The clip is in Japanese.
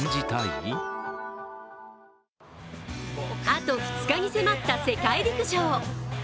あと２日に迫った世界陸上。